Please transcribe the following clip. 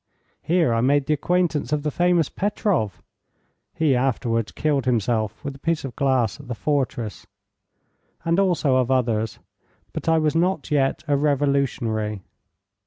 Here I made the acquaintance of the famous Petroff he afterwards killed himself with a piece of glass at the fortress and also of others. But I was not yet a revolutionary.